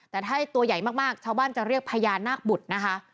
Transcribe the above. แต่ถ้าตัวใหญ่มากชาวบ้านจะเรียกพญานาคบุตรนะคะ